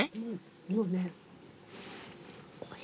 もうね。